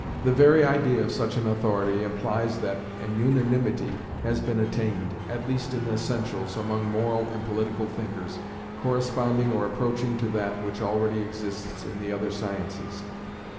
The very idea of such an authority implies that an unanimity has been attained, at least in essentials, among moral and political thinkers, corresponding or approaching to that which already exists in the other sciences.